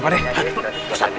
ah aduh ustadz